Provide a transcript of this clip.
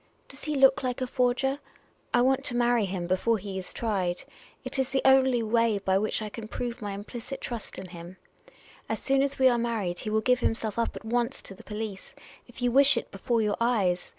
Does he look like a forger ? I want to marry him before he is tried. It is the only way by which I can prove my implicit trust in him. As soon as we are married, he will give himself up at once to the police — if you wish it, before your eyes.